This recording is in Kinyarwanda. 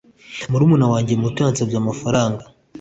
murumuna wanjye muto yasabye amafaranga